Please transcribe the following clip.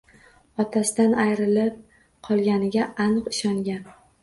Otasidan ayrilib qolganiga aniq ishongan